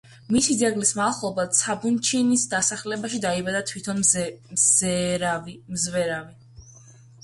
მისი ძეგლის მახლობლად საბუნჩის დასახლებაში დაიბადა თვითონ მზვერავი.